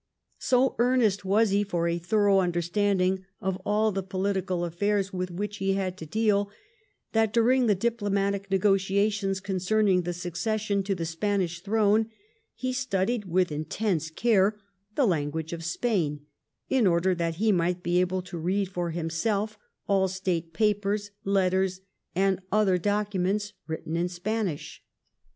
So earnest was he for a thorough understanding of all the political affairs with which he had to deal, that during the diplomatic negotiations concerning the succession to the^ Spanish throne, he studied with intense care the language of Spain, in order that he might be able to read for himself all State papers, letters, and other documents written in Spanish.